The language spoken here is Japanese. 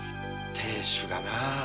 亭主がなあ。